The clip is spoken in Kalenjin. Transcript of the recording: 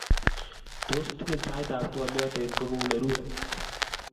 Tos itinye saitap twolyot eng kokung nerue?